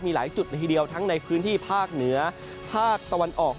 มีหลายจุดละทีเดียวทั้งในพื้นที่ภาคเหนือภาคตะวันออก